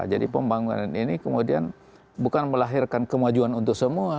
jadi pembangunan ini kemudian bukan melahirkan kemajuan untuk semua